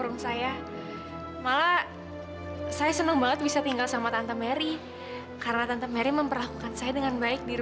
oh jadi semua laporan itu tidak benar